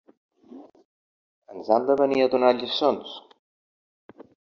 Ens han de venir a donar a lliçons?.